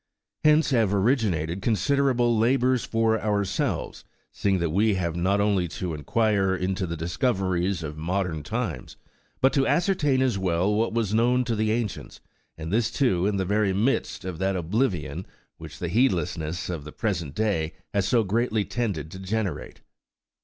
Hence have originated considerable labours for ourselves, seeing that we have not only to enquire into the discoveries of modern times, but to ascertain as well what was known to the ancients, and this, too, in the very midst of that oblivion which the heedlessness of the present day has so greatly tended to generate.